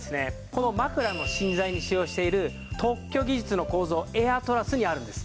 この枕の芯材に使用している特許技術の構造エアトラスにあるんです。